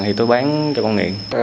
thì tôi bán cho con nghiện